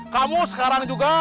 kamu sekarang juga